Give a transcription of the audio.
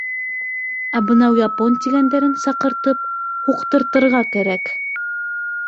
Ә бынау Япон тигәндәрен саҡыртып һуҡтыртырға кәрәк.